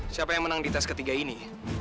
siapa yang menang di tes ketiga ini